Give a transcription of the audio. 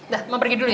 dah mama pergi dulu ya